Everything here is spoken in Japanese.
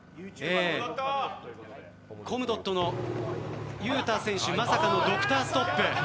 コムドットのゆうた選手まさかのドクターストップ。